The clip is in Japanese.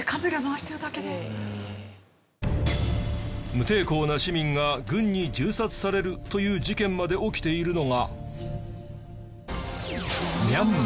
無抵抗な市民が軍に銃殺されるという事件まで起きているのが。